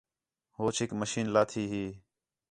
ہوچ ہِک مشین لاتھی ہی